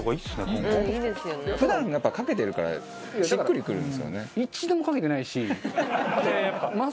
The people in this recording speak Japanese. バカリズム：普段かけてるからしっくりくるんですよね。